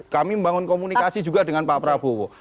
kami membangun komunikasi juga dengan pak prabowo